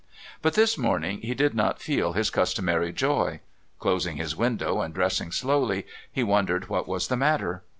But this morning he did not feel his customary joy. Closing his window and dressing slowly, he wondered what was the matter.